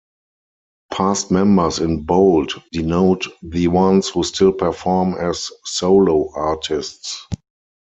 Past members in bold denote the ones who still perform as solo artists.